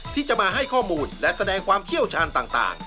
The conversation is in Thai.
ที่จะมาให้ข้อมูลและแสดงความเชี่ยวชาญต่าง